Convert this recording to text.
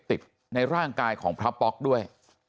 ติดในร่างกายของพระป๊อกด้วย